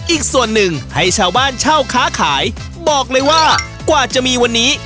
อีกส่วนหนึ่งให้ชาวบ้านเช่าค้าขายบอกเลยว่ากว่าจะมีวันนี้